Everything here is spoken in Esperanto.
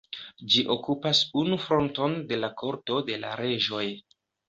Ĝi okupas unu fronton de la Korto de la Reĝoj.